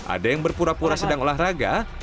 ada yang berpura pura sedang olahraga